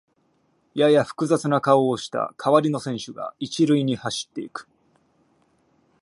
やや複雑な顔をした代わりの選手が一塁に走っていく